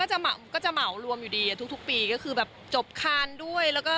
จะเหมาก็จะเหมารวมอยู่ดีทุกปีก็คือแบบจบคานด้วยแล้วก็